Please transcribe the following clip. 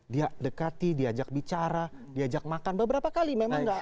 dia dekati diajak bicara diajak makan beberapa kali